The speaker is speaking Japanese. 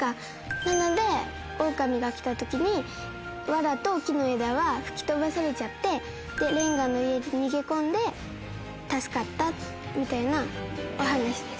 なのでオオカミが来た時にわらと木の枝は吹き飛ばされちゃってレンガの家に逃げ込んで助かったみたいなお話です。